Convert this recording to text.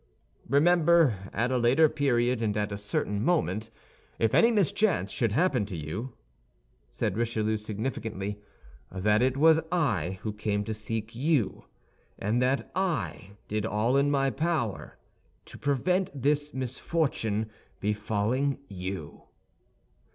"Remember at a later period and at a certain moment, if any mischance should happen to you," said Richelieu, significantly, "that it was I who came to seek you, and that I did all in my power to prevent this misfortune befalling you."